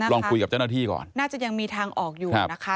ลองคุยกับเจ้าหน้าที่ก่อนน่าจะยังมีทางออกอยู่นะคะ